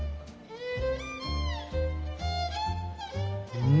うん！